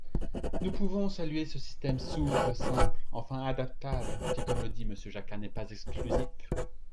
Nous pouvons saluer ce système souple, simple enfin, adaptable, qui, comme le dit Monsieur Jacquat, n’est pas exclusif.